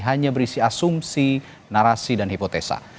hanya berisi asumsi narasi dan hipotesa